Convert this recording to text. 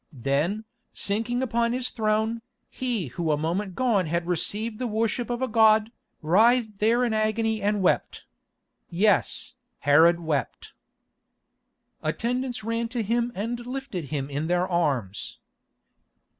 Then, sinking upon his throne, he who a moment gone had received the worship of a god, writhed there in agony and wept. Yes, Herod wept. Attendants ran to him and lifted him in their arms.